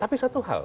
tapi satu hal mas